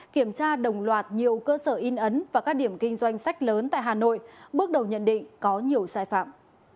kiểm tra đồng loạt nhiều cơ sở in ấn và các điểm kinh doanh sách lớn tại hà nội bước đầu nhận định có nhiều sai phạm